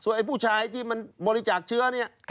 ไอ้ผู้ชายที่มันบริจาคเชื้อเนี่ย